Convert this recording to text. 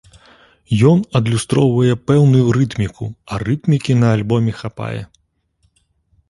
Ён адлюстроўвае пэўную рытміку, а рытмікі на альбоме хапае.